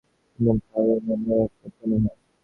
মুক্তিয়ার খাঁ কহিল, আজ্ঞা যুবরাজ, মিথ্যা নহে।